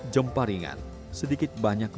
jemparingan sedikit banyak